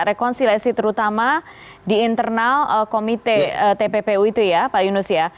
rekonsiliasi terutama di internal komite tppu itu ya pak yunus ya